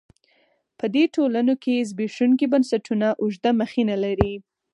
په دې ټولنو کې زبېښونکي بنسټونه اوږده مخینه لري.